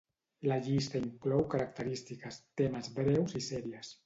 La llista inclou característiques, temes breus i sèries.